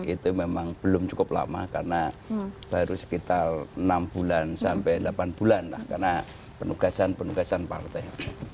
itu memang belum cukup lama karena baru sekitar enam bulan sampai delapan bulan lah karena penugasan penugasan partai